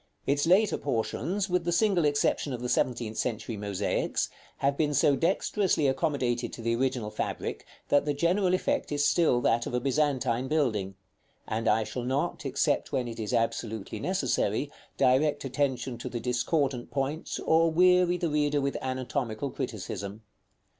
Its later portions, with the single exception of the seventeenth century mosaics, have been so dexterously accommodated to the original fabric that the general effect is still that of a Byzantine building; and I shall not, except when it is absolutely necessary, direct attention to the discordant points, or weary the reader with anatomical criticism.